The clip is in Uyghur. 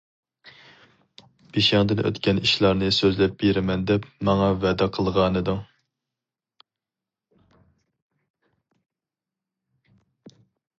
بېشىڭدىن ئۆتكەن ئىشلارنى سۆزلەپ بېرىمەن دەپ ماڭا ۋەدە قىلغانىدىڭ.